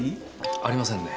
ありませんね。